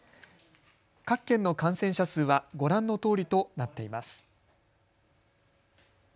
各県の感染者数はご覧のとおりとなっています。